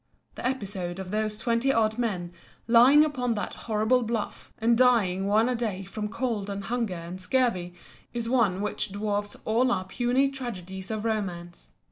The episode of those twenty odd men lying upon that horrible bluff, and dying one a day from cold and hunger and scurvy, is one which dwarfs all our puny tragedies of romance.